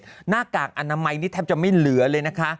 หน้ากากอนามัยนี่แทบจะไม่เหลือเลยนะคะ